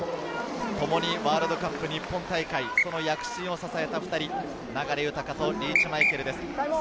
ともにワールドカップ日本大会で躍進を支えた２人、流大とリーチ・マイケルです。